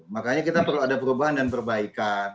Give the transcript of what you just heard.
makanya kita perlu ada perubahan dan perbaikan